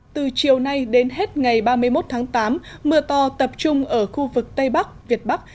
từ chiều nay đến hết ngày ba mươi một tháng tám mưa to tập trung ở khu vực tây bắc việt bắc